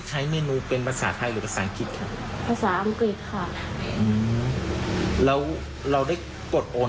หมายเลขสวยทีเดียว